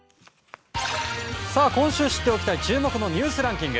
今週知っておきたい注目のニュースランキング。